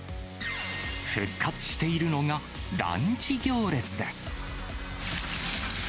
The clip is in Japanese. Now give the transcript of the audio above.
復活しているのが、ランチ行列です。